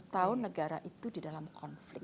tujuh puluh tahun negara itu di dalam konflik